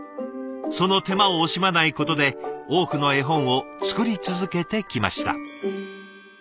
その手間を惜しまないことで多くの絵本を作り続けてきました。